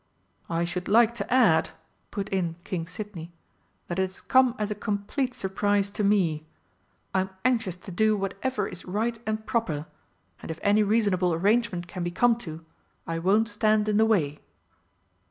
"I should like to add," put in King Sidney, "that it has come as a complete surprise to me. I'm anxious to do whatever is right and proper, and if any reasonable arrangement can be come to, I won't stand in the way."